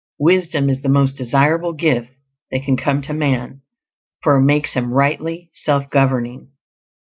Wisdom is the most desirable gift that can come to man, for it makes him rightly self governing.